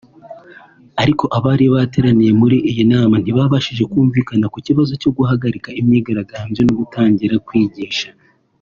Ariko abari bateraniye muri iyi nama ntibabashije kumvikana ku kibazo cyo guhagarika imyigarambyo no gutangira kwigisha